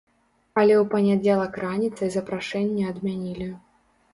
Але ў панядзелак раніцай запрашэнне адмянілі.